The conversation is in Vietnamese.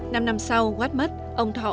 năm năm sau watt mất ông thọ tám mươi ba